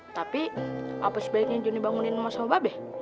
tapi apa sebaiknya joni bangunin rumah sama babi